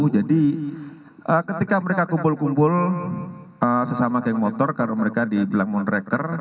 jadi ketika mereka kumpul kumpul sesama geng motor karena mereka di belamon reker